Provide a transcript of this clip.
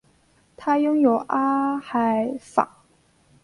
它拥有阿海珐。